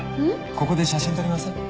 ここで写真撮りません？